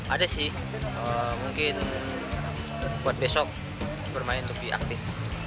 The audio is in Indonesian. ada sih mungkin buat besok bermain lebih aktif